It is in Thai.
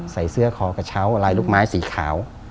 ใส่เสื้อคอกระเช้าลายลูกไม้สีขาว